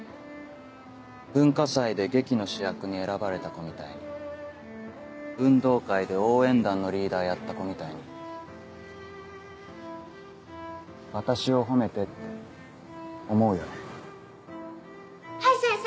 文化祭で劇の主役に選ばれた子みたいに運動会で応援団のリーダーやった子みたいに私を褒めてって思うよね。